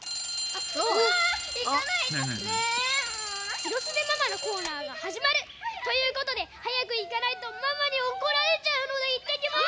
「ヒロスデママ」のコーナーがはじまる！ということではやくいかないとママにおこられちゃうのでいってきます！